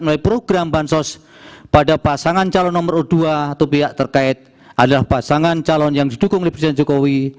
melalui program bansos pada pasangan calon nomor urut dua atau pihak terkait adalah pasangan calon yang didukung oleh presiden jokowi